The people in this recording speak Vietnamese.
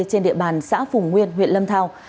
trên địa bàn xã phùng nguyên huyện lâm thào